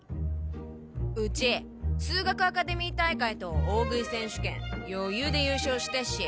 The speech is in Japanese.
ウチ数学アカデミー大会と大喰い選手権余裕で優勝してっし。